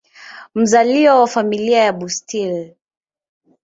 Mzaliwa wa Familia ya Bustill.